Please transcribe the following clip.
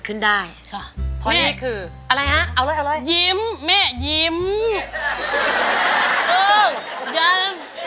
ขึ้นได้ค่ะเพราะนี่คืออะไรฮะเอาเลยยิ้มม้ายิ้มเอออย่า